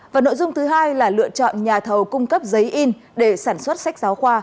và nội dung thứ hai là lựa chọn nhà thầu cung cấp giấy in để sản xuất sách giáo khoa